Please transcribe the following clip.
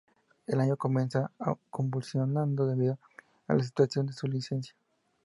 El año comenzó convulsionado debido a la situación de su licencia.